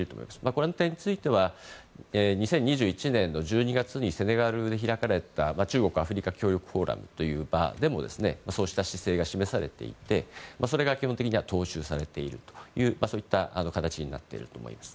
この点については２０２１年の１２月にセネガルで開かれた中国・アフリカ協力フォーラムという場でもそうした姿勢が示されていて基本的には、それが踏襲されているというそういった形になっていると思います。